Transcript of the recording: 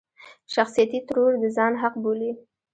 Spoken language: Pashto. شخصيتي ترور د ځان حق بولي.